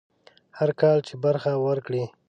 هر کال چې برخه ورکړي.